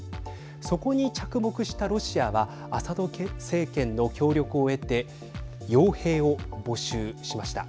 そこに着目したロシアはアサド政権の協力を得てよう兵を募集しました。